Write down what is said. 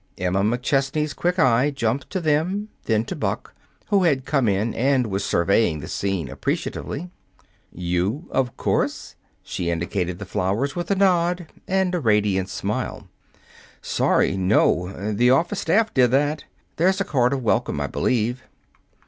Emma McChesney's quick eye jumped to them, then to Buck, who had come in and was surveying the scene appreciatively. "You of course." She indicated the flowers with a nod and a radiant smile. "Sorry no. The office staff did that. There's a card of welcome, I believe."